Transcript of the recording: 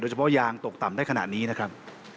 เฉพาะยางตกต่ำได้ขนาดนี้นะครับ